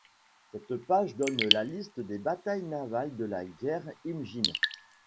Cette page donne la liste des batailles navales de la guerre Imjin.